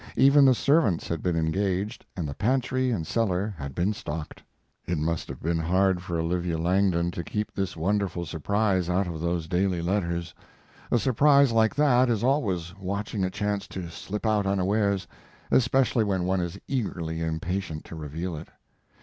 Even the servants had been engaged and the pantry and cellar had been stocked. It must have been hard for Olivia Langdon to keep this wonderful surprise out of those daily letters. A surprise like that is always watching a chance to slip out unawares, especially when one is eagerly impatient to reveal it.